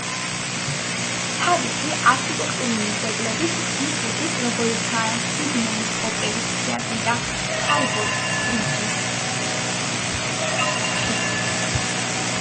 პორტ–ჯექსონი ცნობილია თავისი არქიტექტურული ძეგლებით, ისეთით როგორიცაა სიდნეის ოპერის თეატრი და ჰარბორ–ბრიჯის ხიდით.